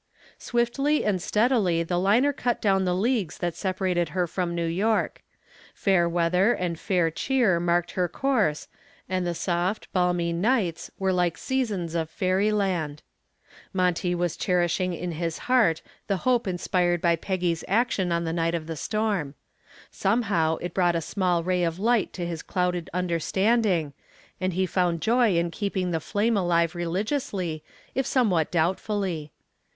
Swiftly and steadily the liner cut down the leagues that separated her from New York. Fair weather and fair cheer marked her course, and the soft, balmy nights were like seasons of fairyland. Monty was cherishing in his heart the hope inspired by Peggy's action on the night of the storm. Somehow it brought a small ray of light to his clouded understanding and he found joy in keeping the flame alive religiously if somewhat doubtfully.